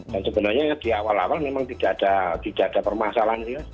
dan sebenarnya di awal awal memang tidak ada permasalahan ya